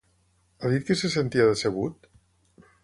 Ha dit que se sentia decebut?